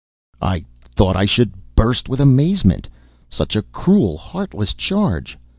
I thought I should burst with amazement! Such a cruel, heartless charge!